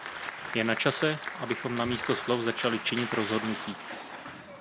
Je na čase, abychom namísto slov začali činit rozhodnutí.